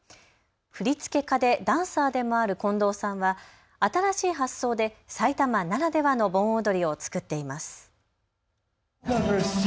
振り付け家でダンサーでもある近藤さんは新しい発想で埼玉ならではの盆踊りを作っています。